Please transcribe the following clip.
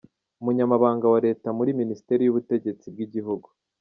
Umunyamabanga wa Leta muri Minisiteri y’Ubutegetsi bw’igihugu,